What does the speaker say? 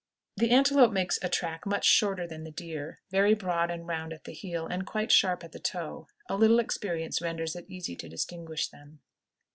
] The antelope makes a track much shorter than the deer, very broad and round at the heel, and quite sharp at the toe; a little experience renders it easy to distinguish them.